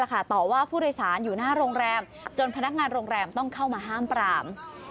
แกรมต้องเข้ามาห้ามปร่าม